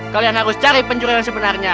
kalian harus cari pencuri yang sebenarnya